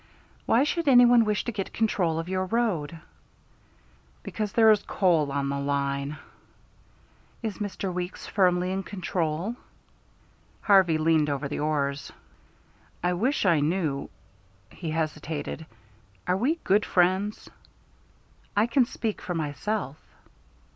"Why should any one wish to get control of your road?" "Because there is coal on the line." "Is Mr. Weeks firmly in control?" Harvey leaned over the oars. "I wish I knew " he hesitated. "Are we good friends?" "I can speak for myself."